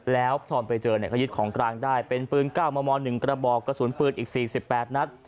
แล้วพร้อมไปเจอเนี่ยกระยิดของกลางได้เป็นปืนก้าวมะม่อนหนึ่งกระบอกกระสุนปืนอีกสี่สิบแปดนัด